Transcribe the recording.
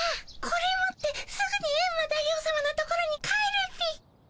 これ持ってすぐにエンマ大王さまのところに帰るっピ。